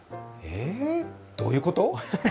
え、どういうこと？